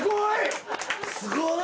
すごい！